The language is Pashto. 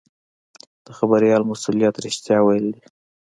د خبریال مسوولیت رښتیا ویل دي.